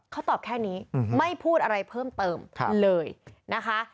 เขาตอบแค่นี้ไม่พูดอะไรเพิ่มเติมเลยนะคะ